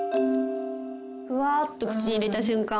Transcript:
ふわっと口に入れた瞬間